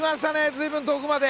随分遠くまで。